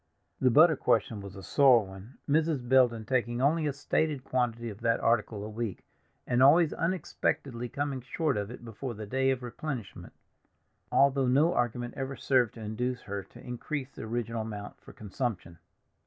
The butter question was a sore one, Mrs. Belden taking only a stated quantity of that article a week, and always unexpectedly coming short of it before the day of replenishment, although no argument ever served to induce her to increase the original amount for consumption.